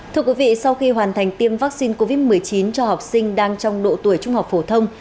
thưa quý vị sau khi hoàn thành tiêm vaccine covid một mươi chín cho học sinh đang trong độ tuổi trung học phổ thông